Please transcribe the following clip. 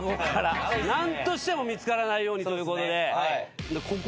何としても見つからないようにということでここ。